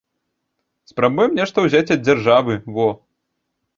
Спрабуем нешта ўзяць ад дзяржавы, во!